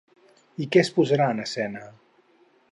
I què es posarà en escena?